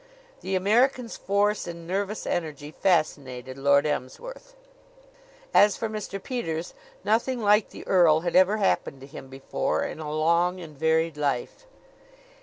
The American's force and nervous energy fascinated Lord Emsworth. As for Mr. Peters, nothing like the earl had ever happened to him before in a long and varied life.